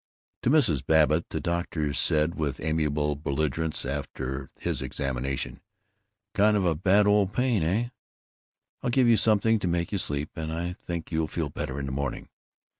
To Mrs. Babbitt the doctor said with amiable belligerence, after his examination, "Kind of a bad old pain, eh? I'll give you something to make you sleep, and I think you'll feel better in the morning.